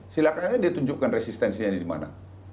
silahkan aja dia tunjukkan resistensinya di mana